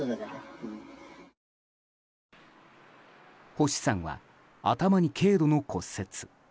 星さんは頭に軽度の骨折。